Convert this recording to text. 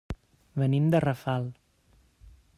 Venim de Rafal.